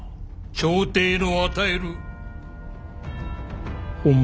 朝廷の与える誉れ。